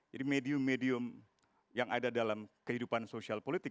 jadi medium medium yang ada dalam kehidupan sosial politik